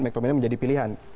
mectomini menjadi pilihan